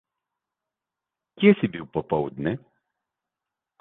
Kje si bil popoldne?